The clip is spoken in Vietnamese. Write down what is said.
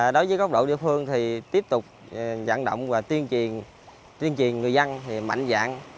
đối với góc độ địa phương thì tiếp tục dẫn động và tuyên truyền người dân mạnh dạng